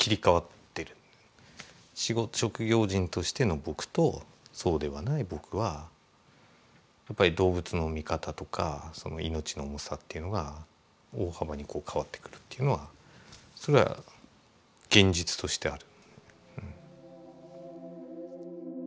職業人としての僕とそうではない僕はやっぱり動物の見方とか命の重さっていうのが大幅にこう変わってくるっていうのはそれは現実としてある。